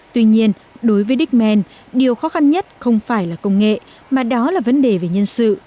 tuy nhiên đối với diement điều khó khăn nhất không phải là công nghệ mà đó là vấn đề về nhân sự